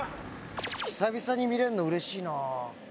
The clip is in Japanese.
久々に見れるのうれしいなぁ。